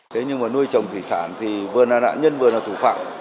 thế nhưng mà nuôi trồng thủy sản thì vừa là nạn nhân vừa là thủ phạm